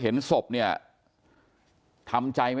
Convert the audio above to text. กลุ่มตัวเชียงใหม่